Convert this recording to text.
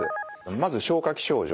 まず消化器症状。